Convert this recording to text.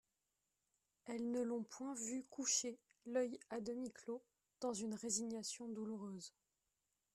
Elles ne l'ont point vu couché, l'œil a demi clos, dans une résignation douloureuse.